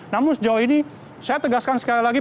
namun sejauh ini saya tegaskan sekali lagi